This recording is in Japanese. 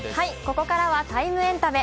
ここからは「ＴＩＭＥ，エンタメ」